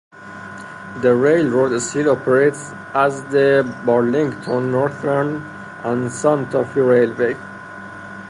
The railroad still operates as the Burlington Northern and Santa Fe Railway.